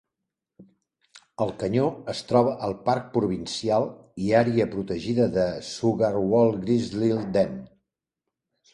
El canyó es troba al parc provincial i àrea protegida de Sugarbowl-Grizzly Den.